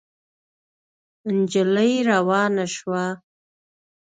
نجلۍ روانه شوه.